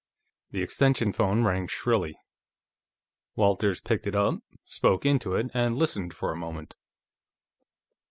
The extension phone rang shrilly. Walters picked it up, spoke into it, and listened for a moment.